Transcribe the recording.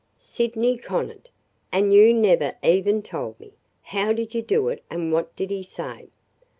"Sydney Conant! And you never even told me! How did you do it and what did he say?"